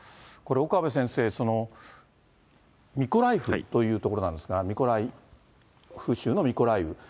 これ、岡部先生、そのミコライフという所なんですが、ミコライフ州のミコライフ。